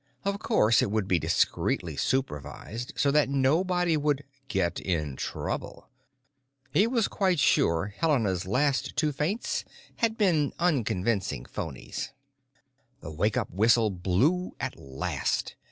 Of course it would be discreetly supervised so that nobody would Get In Trouble. He was quite sure Helena's last two faints had been unconvincing phonies. The wake up whistle blew at last.